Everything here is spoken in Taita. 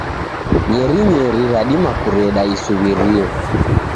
Nyerinyeri radima kureda isuwirio.